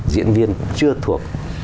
diễn viên chưa thuộc